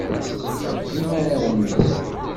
Rebbim arraw-nwen.